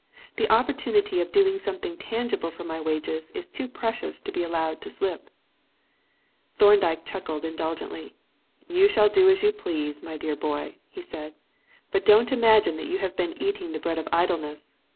The opportunity of doing something tangible for my wage is too precious to be allowed to slip." Thorndyke chuckled indulgently. "You shall do as you please, my dear boy," he said; "but don't imagine that you have been eating the bread of idleness.